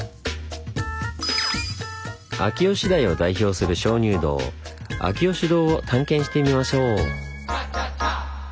秋吉台を代表する鍾乳洞秋芳洞を探検してみましょう。